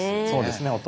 そうですね。